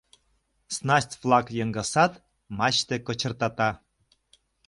Снасть-влак йыҥысат, мачте кочыртата.